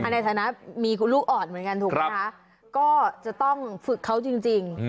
ในฐานะมีคุณลูกอ่อนเหมือนกันถูกไหมคะก็จะต้องฝึกเขาจริง